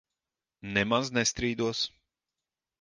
Nemaz nestrīdos.